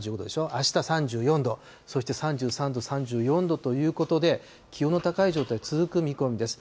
あした３４度、そして３３度、３４度ということで、気温の高い状態、続く見込みです。